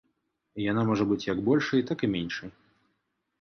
Яна можа быць як большай, так і меншай.